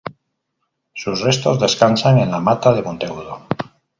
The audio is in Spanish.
Sus restos descansan en La Mata de Monteagudo